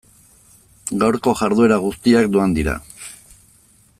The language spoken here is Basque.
Gaurko jarduera guztiak doan dira.